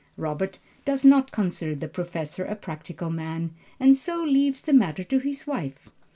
Robert does not consider the Professor a practical man, and so leaves the matter to his wife.